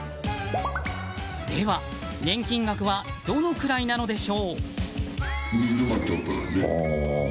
では、年金額はどのくらいなのでしょう？